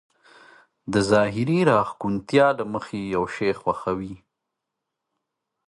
د ظاهري راښکونتيا له مخې يو شی خوښوي.